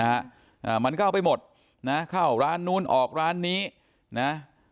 อ่ามันก็เอาไปหมดนะเข้าร้านนู้นออกร้านนี้นะ